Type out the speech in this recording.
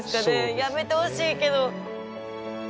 やめてほしいけど。